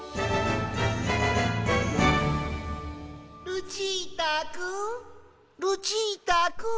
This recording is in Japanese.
ルチータくんルチータくん。